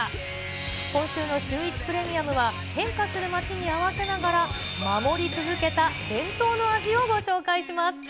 今週のシューイチプレミアムは変化する街に合わせながら、守り続けた伝統の味をご紹介します。